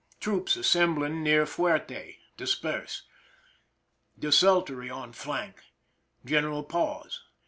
Troops assembling near fuerte— disperse. Des Tiltory on flank. General pause.